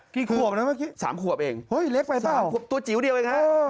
กี่ขวบนะเมื่อกี้๓ขวบเองตัวจิ๋วเดียวเองฮะเห้ยเล็กไปเปล่า